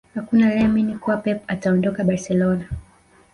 Hakuna aliyeamini kuwa Pep ataondoka Barcelona